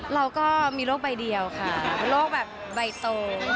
เราก็มีโรคใบเดียวค่ะโรคแบบใบโต